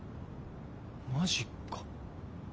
マジか。